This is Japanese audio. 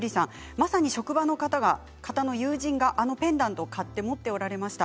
まさに職場の方の友人があのペンダントを買って持っていました。